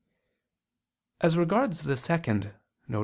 As regards the second, viz.